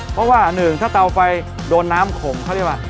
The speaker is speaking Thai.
เพราะว่าหนึ่งถ้าเตาไฟโดนน้ำขมเขาเรียกว่า